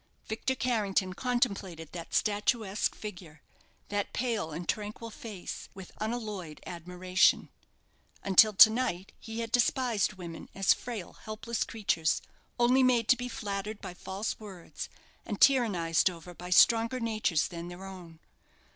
Victor Carrington contemplated that statuesque figure, that pale and tranquil face, with unalloyed admiration. Until to night he had despised women as frail, helpless creatures, only made to be flattered by false words, and tyrannized over by stronger natures than their own.